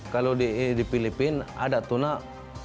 kalau di filipina ada tunak